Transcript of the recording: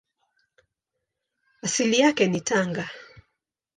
Asili yake ni Tanga.